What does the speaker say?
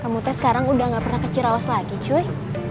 kamu teh sekarang sudah tidak pernah ke ciraos lagi cuy